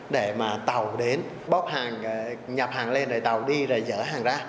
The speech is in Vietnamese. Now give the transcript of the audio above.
để mà tàu đến bóp hàng nhập hàng lên rồi tàu đi rồi dở hàng ra